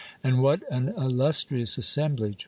And what an illustrious assemblage